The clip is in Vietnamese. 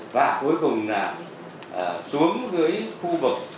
và cuối cùng xuống dưới khu vực